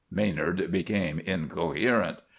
Maynard became incoherent.